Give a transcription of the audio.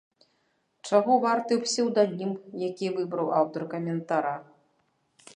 Чаго варты псеўданім, які выбраў аўтар каментара!